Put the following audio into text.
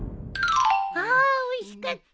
あおいしかった！